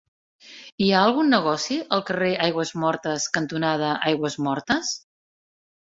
Hi ha algun negoci al carrer Aigüesmortes cantonada Aigüesmortes?